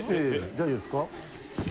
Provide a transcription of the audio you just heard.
大丈夫ですか？